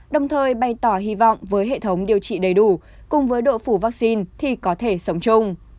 đồng thời bày tỏ hy vọng với hệ thống điều trị đầy đủ cùng với độ phủ vaccine thì có thể sống chung